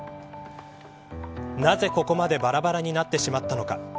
なぜ、ここまでばらばらになってしまったのか。